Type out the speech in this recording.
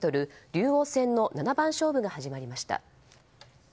竜王戦の七番勝負が始まりました。